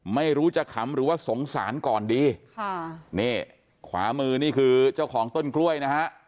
ไม่รู้จะขำหรือว่าสงสารก่อนดีค่ะนี่ขวามือนี่คือเจ้าของต้นกล้วยนะฮะ